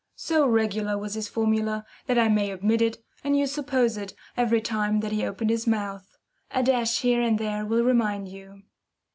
So regular was his formula that I may omit it and you suppose it, every time that he opened his mouth. A dash here and there will remind you.